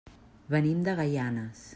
Venim de Gaianes.